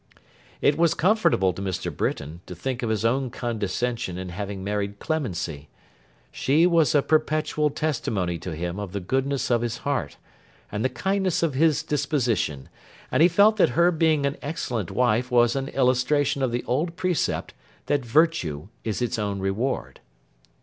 It was comfortable to Mr. Britain, to think of his own condescension in having married Clemency. She was a perpetual testimony to him of the goodness of his heart, and the kindness of his disposition; and he felt that her being an excellent wife was an illustration of the old precept that virtue is its own reward.